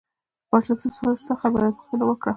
پاچا صاحب څه خبره ده پوښتنه یې وکړه.